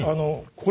これ。